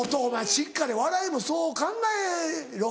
しっかり笑いもそう考えろ。